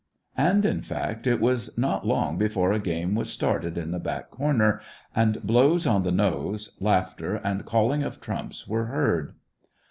And, in fact, it was not long before a game was started in the back corner, and blows on the nose, laughter, and calling of trumps were heard.